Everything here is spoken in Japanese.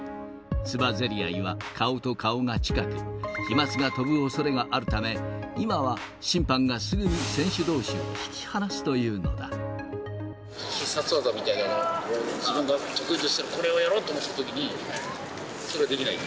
つばぜり合いは顔と顔が近く、飛まつが飛ぶおそれがあるため、今は審判がすぐに選手どうしを引必殺技みたいなのを、自分が得意としてる、これをやろうとしたときに、それができない？